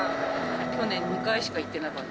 去年２回しか行ってなかった。